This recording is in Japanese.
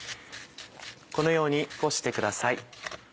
このようにこしてください。